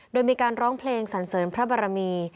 โดยมีการร้องเพลงสันเสริญพระบรมี